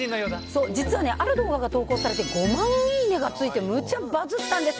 そう、実はある動画が投稿されて５万いいねがついて、むちゃバズったんです。